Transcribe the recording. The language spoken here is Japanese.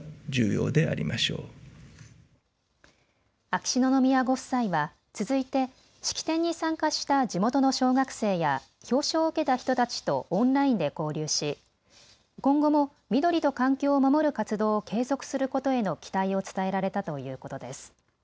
秋篠宮ご夫妻は続いて式典に参加した地元の小学生や表彰を受けた人たちとオンラインで交流し今後も緑と環境を守る活動を継続することへの期待を伝えられたということです。